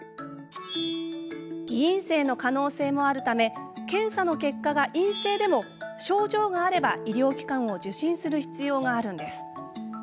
偽陰性の可能性もあるため検査の結果が陰性でも症状があれば、医療機関を受診する必要があるんです。